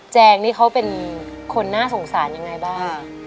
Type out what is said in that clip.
แงนี่เขาเป็นคนน่าสงสารยังไงบ้าง